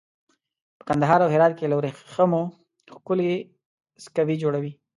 په کندهار او هرات کې له وریښمو ښکلي سکوي جوړوي.